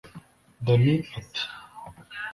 Danny ati